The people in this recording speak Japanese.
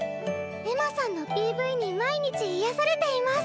「エマさんのＰＶに毎日癒やされています。